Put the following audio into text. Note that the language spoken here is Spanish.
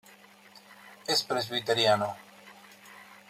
Es presbiteriano.